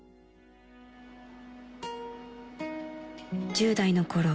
［１０代のころ